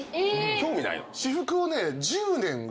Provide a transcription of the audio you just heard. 興味ないの？